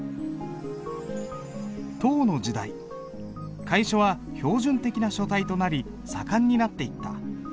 唐の時代楷書は標準的な書体となり盛んになっていった。